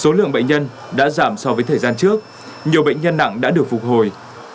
số lượng bệnh nhân đã giảm so với thời gian trước nhiều bệnh nhân nặng đã được phục hồi